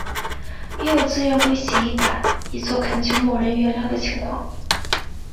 也有自愿跪洗衣板以作恳求某人原谅的情况。